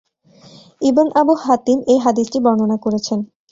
ইবন আবূ হাতিম এ হাদীসটি বর্ণনা করেছেন।